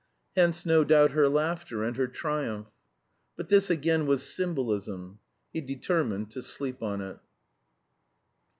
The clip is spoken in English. Hence no doubt her laughter and her triumph. But this again was symbolism. He determined to sleep on it.